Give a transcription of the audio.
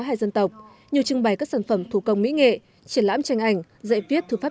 hai dân tộc nhiều trưng bày các sản phẩm thủ công mỹ nghệ triển lãm tranh ảnh dạy viết thư pháp